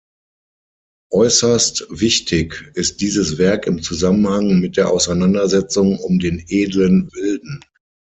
Äußerst wichtig ist dieses Werk im Zusammenhang mit der Auseinandersetzung um den „edlen Wilden“.